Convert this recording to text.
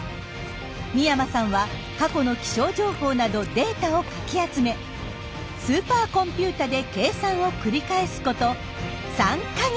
美山さんは過去の気象情報などデータをかき集めスーパーコンピュータで計算を繰り返すこと３か月。